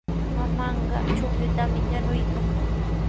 Mamaaqa chuqllutami yanuykan.